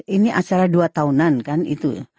ini acara dua tahunan kan itu